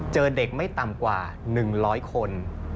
เจอเด็กไม่ต่ำกว่า๑๐๐คน